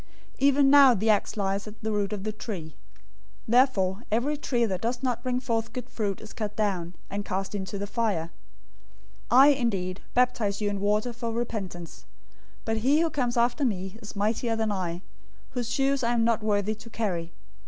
003:010 "Even now the axe lies at the root of the trees. Therefore, every tree that doesn't bring forth good fruit is cut down, and cast into the fire. 003:011 I indeed baptize{or, immerse} you in water for repentance, but he who comes after me is mightier than I, whose shoes I am not worthy to carry.